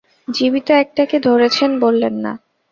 জীবিত একটাকে ধরেছেন বললেন না?